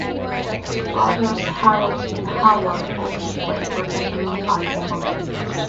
His brothers Harold and Howard also played professional ice hockey.